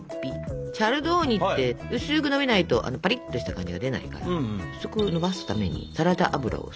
チャルドーニって薄くのびないとあのパリッとした感じが出ないから。薄くのばすためにサラダ油を少し入れます。